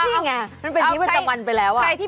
นี่ไงมันเป็นชีวิตประจำวันไปแล้ว